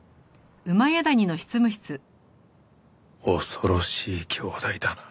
恐ろしい姉弟だな